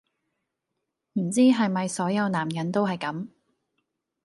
唔知係咪所有男人都係咁